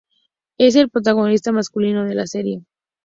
Es el protagonista masculino de la serie.